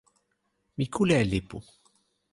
mi kule e lipu.